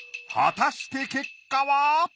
果たして結果は！？